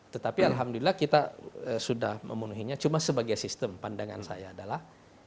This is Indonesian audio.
tetapi alhamdulillah kita sudah memenuhinya cuma sebagai sistem pandangan saya adalah